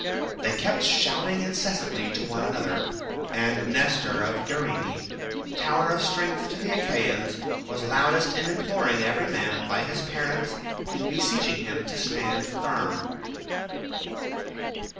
They kept shouting incessantly to one another, and Nestor of Gerene, tower of strength to the Achaeans, was loudest in imploring every man by his parents, and beseeching him to stand firm.